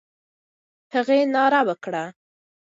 هغې ناره وکړه.